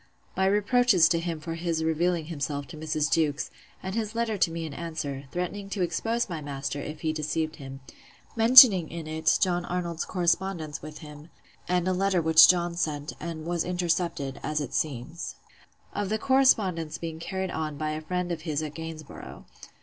My reproaches to him for his revealing himself to Mrs. Jewkes; and his letter to me in answer, threatening to expose my master, if he deceived him; mentioning in it John Arnold's correspondence with him; and a letter which John sent, and was intercepted, as it seems. Of the correspondence being carried on by a friend of his at Gainsborough.